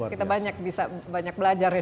kita banyak bisa banyak belajar ya